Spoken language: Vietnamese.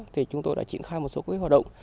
thì chúng tôi đã triển khai một số quỹ hoạt động